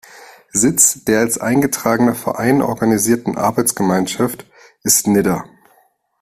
Sitz der als eingetragener Verein organisierten Arbeitsgemeinschaft ist Nidda.